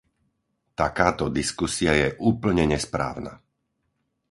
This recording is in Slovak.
Takáto diskusia je úplne nesprávna!